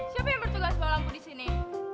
siapa yang bertugas bawa lampu di sini